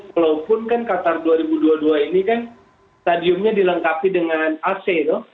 walaupun kan qatar dua ribu dua puluh dua ini kan stadiumnya dilengkapi dengan ac ya